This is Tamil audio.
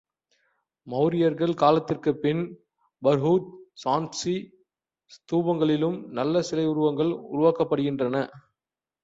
மௌரியர்கள் காலத்திற்குப் பின் பர்ஹுத் சாந்சி ஸ்தூபங்களிலும் நல்ல சிலை உருவங்கள் உருவாகியிருக்கின்றன.